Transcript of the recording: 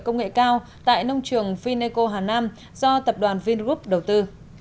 công nghệ cao tại nông trường fineco hà nam do tập đoàn vingroup đầu tư